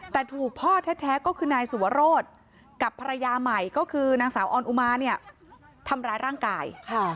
แต่ถูกพ่อแท้ก็คือนายสุวรสกับภรรยาใหม่ก็คือนางสาวออนอุมาเนี่ยทำร้ายร่างกาย